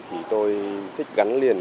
thì tôi thích gắn liền